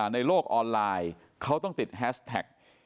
ในโลกออนไลน์เขาต้องติดแฮสแท็ก